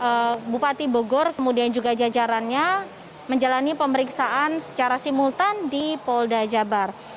kemudian bupati bogor kemudian juga jajarannya menjalani pemeriksaan secara simultan di polda jabar